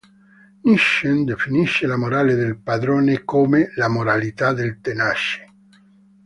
Nietzsche definisce la morale del padrone come "la moralità del tenace".